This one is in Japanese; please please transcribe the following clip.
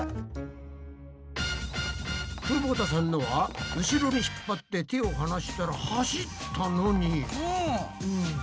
久保田さんのは後ろにひっぱって手を離したら走ったのに。